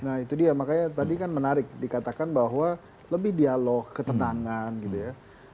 nah itu dia makanya tadi kan menarik dikatakan bahwa lebih dialog ketenangan gitu ya